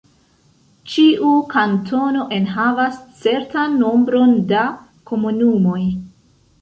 Ĉiu kantono enhavas certan nombron da komunumoj.